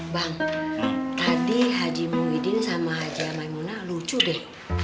bang tadi haji muhyiddin sama haji maimuna lucu deh